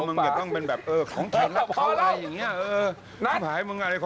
ตัวมึงอย่าต้องเป็นแบบเออของเขาอะไรอย่างนี้เออ